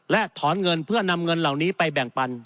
และถอนเงินเพื่อนำเงินเหล่านี้ไปแบ่งปัน